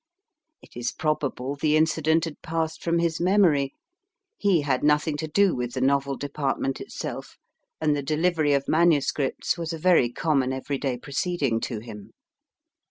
It is probable the incident had passed from his memory ; he had nothing to do with the novel department itself, and the delivery of MSS. was a very common every day proceeding to him.